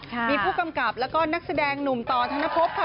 มีผู้กำกับแล้วก็นักแสดงหนุ่มต่อธนภพค่ะ